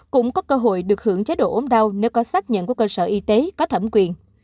cũng có cơ hội được hưởng chế độ ốm đau nếu có xác nhận của cơ sở y tế có thẩm quyền